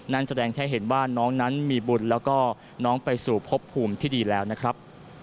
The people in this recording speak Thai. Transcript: นั่นแสดงให้เห็นว่าน้องนั้นมีบุญแล้วก็น้องไปสู่พบภูมิที่ดีแล้วนะครับ